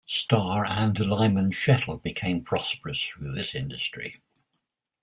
Starr, and Lyman Shettle became prosperous through this industry.